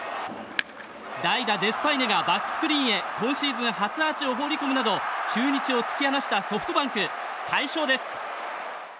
代打、デスパイネがバックスクリーンへ今シーズン初アーチを放り込むなど中日を突き放したソフトバンク快勝です！